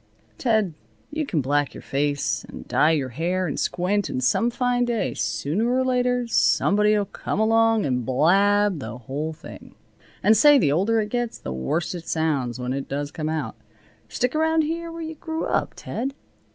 Ted, you can black your face, and dye your hair, and squint, and some fine day, sooner or later, somebody'll come along and blab the whole thing. And say, the older it gets the worse it sounds, when it does come out. Stick around here where you grew up, Ted."